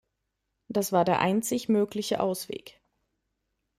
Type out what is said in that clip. Das war der einzig mögliche Ausweg.